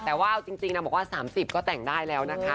แต่ว่าเอาจริงนางบอกว่า๓๐ก็แต่งได้แล้วนะคะ